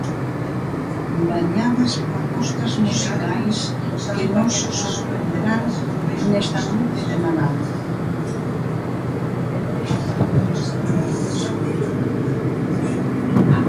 Variadas propostas musicais que nos sorprenderán nesta noite de Nadal.